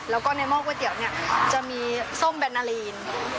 แล้วก็ในหม้อก๋วยเตี๋ยวเนี่ยจะมีส้มแบนาลีน